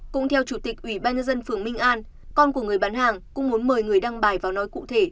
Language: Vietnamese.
cũng theo chủ tịch ủy ban nhân dân phường minh an con của người bán hàng cũng muốn mời người đăng bài vào nói cụ thể